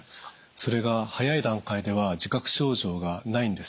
それが早い段階では自覚症状がないんです。